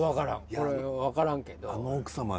これ分からんけど。